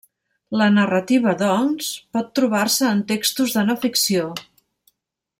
La narrativa, doncs, pot trobar-se en textos de no ficció.